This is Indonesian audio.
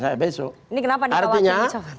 sampai besok artinya